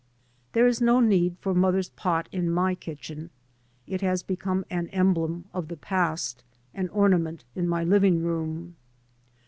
There ts no need for motiier's pot in my kitchen; it has become an emblem of the past, an ornament in my living room.